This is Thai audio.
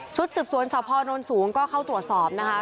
ชุดสึบสวนสะพอโรนสูงก็เข้าตัวสอบนะคะ